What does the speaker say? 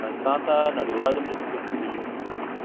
افغانستان ته نړيوالې مرستې کمې شوې دي